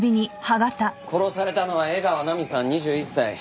殺されたのは江川奈美さん２１歳。